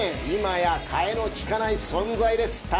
今や代えの利かない存在です